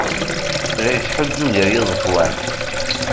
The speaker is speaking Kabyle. La yettḥuǧǧu gar yiẓekwan.